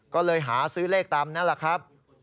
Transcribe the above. ก็เลยหาซื้อเลขตามนั้นแหละครับ